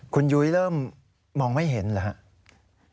คุณยุ้ยเริ่มมองไม่เห็นหรือครับ